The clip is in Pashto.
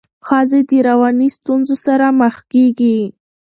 ښځي د رواني ستونزو سره مخ کيږي.